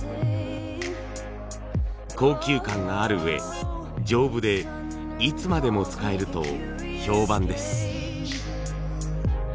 高級感があるうえ丈夫でいつまでも使えると評判です。